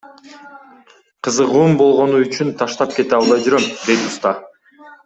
Кызыгуум болгону үчүн таштап кете албай жүрөм, — дейт уста.